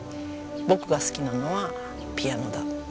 僕が好きなのはピアノだと。